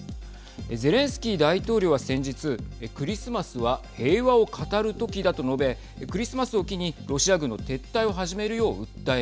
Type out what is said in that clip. ゼレンスキー大統領は先日クリスマスは平和を語る時だと述べクリスマスを機にロシア軍の撤退を始めるようはい。